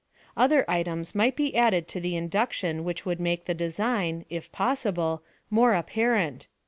Other items might be added to the induction which would make the design, if possible, more aj> parent.